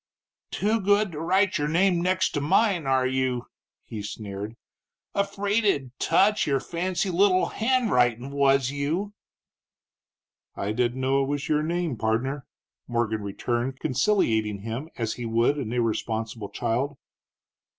"Too good to write your name next to mine, are you?" he sneered. "Afraid it'd touch your fancy little handwritin', was you?" "I didn't know it was your name, pardner," Morgan returned, conciliating him as he would an irresponsible child.